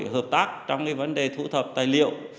hợp tác trong vấn đề thu thập tài liệu